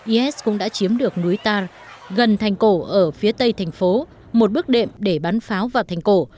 is cũng đã chiếm được núi ta gần thành cổ ở phía tây thành phố một bước đệm để bắn pháo vào thành cổ